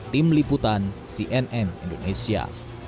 tim liputan cnn indonesia